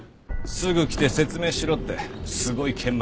すぐ来て説明しろってすごい剣幕でした。